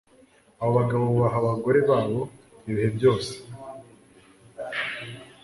abagabobubaha abagorebabo ibihe byose